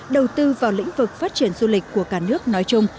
đầu tư vào lĩnh vực phát triển du lịch của cả nước nói chung